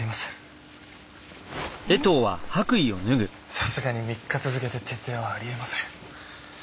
さすがに３日続けて徹夜はあり得ません。